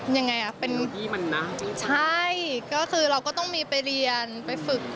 ยังไงล่ะเป็นใช่ก็คือเราก็ต้องมีไปเรียนไปฝึก